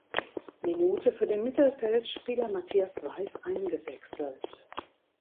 Minute für den Mittelfeldspieler Matthias Weiß eingewechselt.